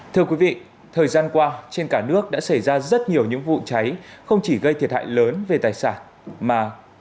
thưa quý vị thời gian qua trên cả nước đã xảy ra rất nhiều những vụ cháy không chỉ gây thiệt hại lớn về tài sản mà